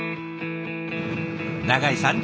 永井さん